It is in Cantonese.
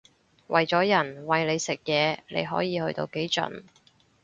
為咗人餵你食嘢你可以去到幾盡